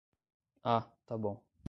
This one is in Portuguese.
Ah, tá bom